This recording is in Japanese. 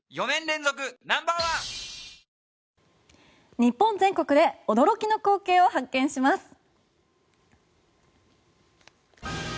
日本全国で驚きの光景を発見します。